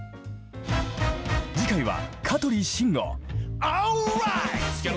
次回は香取慎吾。